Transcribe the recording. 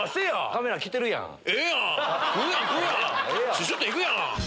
シュシュっといくやん！